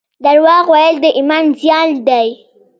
درواغ ویل د ایمان زیان دی